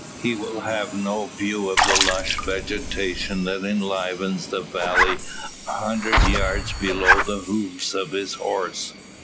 He will have no view of the lush vegetation that enlivens the valley a hundred yards below the hoofs of his horse.